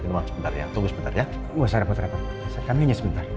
minuman sebentar ya tunggu sebentar ya udah saya repot repot kami sebentar